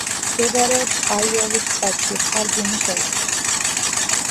მდებარეობს აიოვის შტატში, ჰარდინის ოლქში.